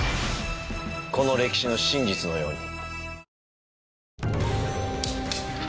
この歴史の真実のように。